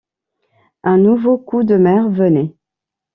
Un nouveau coup de mer venait.